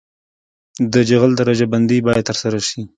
د جغل درجه بندي باید ترسره شي